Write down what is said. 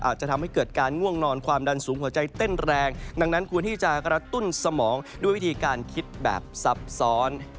อาจจะทำให้เกิดการง่วงนอนความดันสูงหัวใจเต้นแรงดังนั้นควรที่จะกระตุ้นสมองด้วยวิธีการคิดแบบซับซ้อน